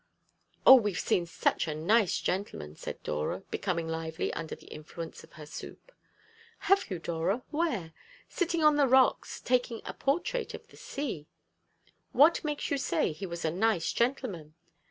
"O! we've seen such a nice gentleman!" said Dora, becoming lively under the influence of her soup. "Have you, Dora? Where?" "Sitting on the rocks, taking a portrait of the sea." "What makes you say he was a nice gentleman?"